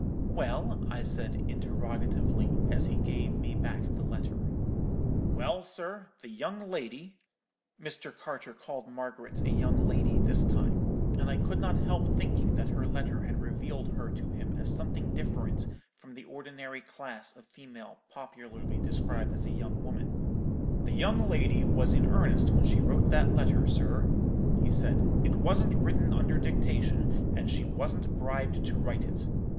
"'Well?' I said, interrogatively, as he gave me back the letter. "'Well, sir, the young lady,'—Mr. Carter called Margaret a young lady this time, and I could not help thinking that her letter had revealed her to him as something different from the ordinary class of female popularly described as a young woman,—'the young lady was in earnest when she wrote that letter, sir,' he said; 'it wasn't written under dictation, and she wasn't bribed to write it.